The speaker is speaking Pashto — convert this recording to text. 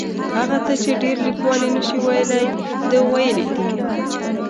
هغه څه چې ډېر لیکوال یې نشي ویلی ده ویلي دي.